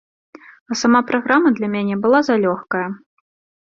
А сама праграма для мяне была залёгкая.